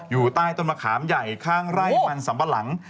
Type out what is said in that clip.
อยู่ใต้ต้นมะขามใหญ่ข้างไร่มันสัมปะหลัง